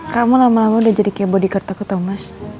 kamu lama lama udah jadi kayak bodyguard aku tau mas